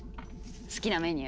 好きなメニュー？